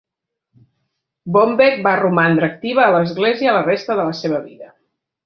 Bombeck va romandre activa a l'església la resta de la seva vida.